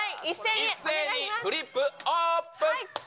一斉にフリップオープン。